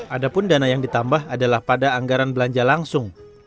adapun dana yang ditambah adalah pada anggaran belanja langsung